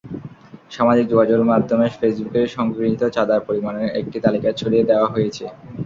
সামাজিক যোগাযোগের মাধ্যম ফেসবুকে সংগৃহীত চাঁদার পরিমাণের একটি তালিকা ছড়িয়ে দেওয়া হয়েছে।